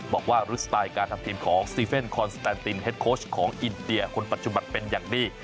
บอกว่ารู้สไตล์การทำทีมของซีเฟนคอนสแตนตินเฮ็ดโค้ชของอินเดียคนปัจจุบันเป็นอย่างดี